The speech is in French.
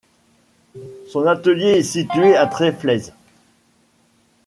Son atelier est situé à Tréflez.